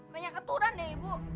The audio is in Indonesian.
banyak keturun deh ibu